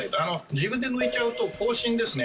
自分で抜いちゃうと口針ですね